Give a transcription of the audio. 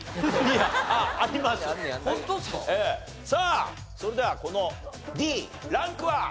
さあそれではこのＤランクは？